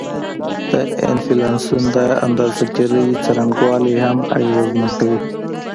د انفلاسیون د اندازه ګيرۍ څرنګوالی هم اغیزمن کوي